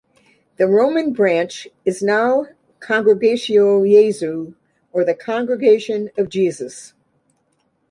The Roman Branch is now Congregatio Jesu or the Congregation of Jesus.